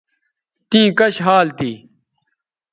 تیں کش حال تھی